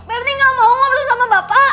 berarti gak mau ngobrol sama bapak